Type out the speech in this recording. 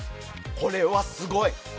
これはすごい！